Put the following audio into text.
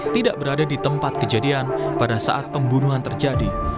tidak berada di tempat kejadian pada saat pembunuhan terjadi